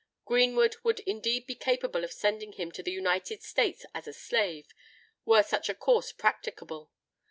Greenwood would indeed be capable of sending him to the United States as a slave, were such a course practicable.